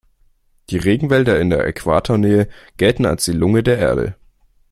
Die Regenwälder in Äquatornähe gelten als die Lunge der Erde.